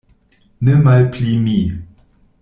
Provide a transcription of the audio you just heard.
Ne malpli mi.